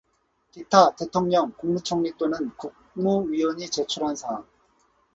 기타 대통령, 국무총리 또는 국무위원이 제출한 사항